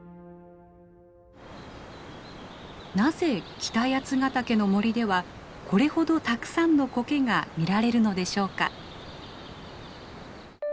なぜ北八ヶ岳の森ではこれほどたくさんのコケが見られるのでしょうか。